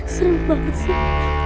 serem banget sih